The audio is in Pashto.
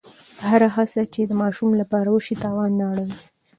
هره هڅه چې د ماشوم لپاره وشي، تاوان نه اړوي.